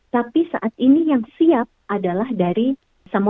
tapi saat ini yang siap adalah dari samosir ibu